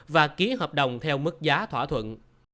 và ký hợp đồng theo mức giá thỏa thuận